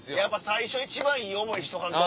最初一番いい思いしとかんと。